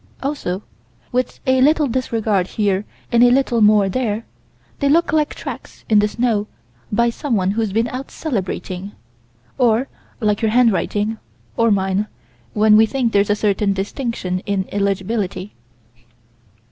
Also, with a little disregard here and a little more there, they look like tracks in the snow by someone who's been out celebrating, or like your handwriting, or mine, when we think there's a certain distinction in illegibility.